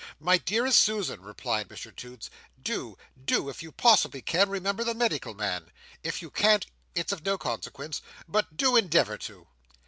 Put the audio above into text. "My dearest Susan," replied Mr Toots, "do, do, if you possibly can, remember the medical man! If you can't, it's of no consequence—but do endeavour to!"